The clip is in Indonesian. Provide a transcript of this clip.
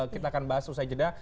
kita akan bahas usai jeda